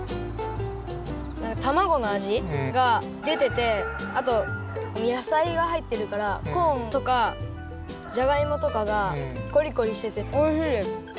たまごのあじがでててあと野菜がはいってるからコーンとかジャガイモとかがコリコリしてておいしいです。